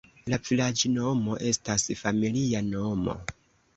La vilaĝnomo estas familia nomo.